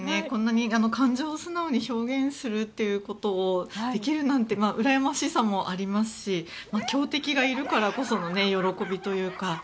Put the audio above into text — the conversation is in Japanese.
こんなに感情を素直に表現するということをできるなんてうらやましさもありますし強敵がいるからこその喜びというか。